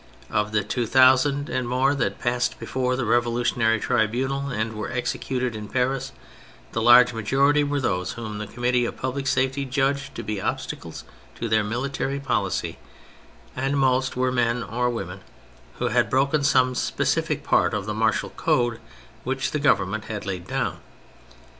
Of the two thousand and more that passed before the revolutionary tribunal and were exe cuted in Paris, the large majority were those whom the Committee of Public Safety judged to be obstacles to their military policy; and most were men or women who had broken some specific part of the martial code which the Government had laid down.